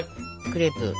クレープを。